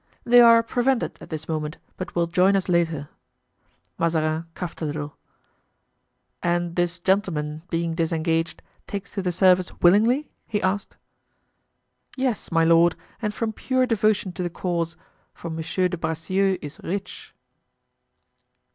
"They are prevented at this moment, but will join us later." Mazarin coughed a little. "And this gentleman, being disengaged, takes to the service willingly?" he asked. "Yes, my lord, and from pure devotion to the cause, for Monsieur de Bracieux is rich."